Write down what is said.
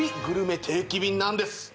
グルメ定期便なんです